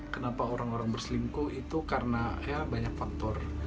kenapa orang orang berselingkuh itu karena ya banyak faktor